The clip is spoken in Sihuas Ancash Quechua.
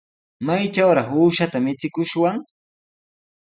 ¿Maytrawraq uushata michikushwan?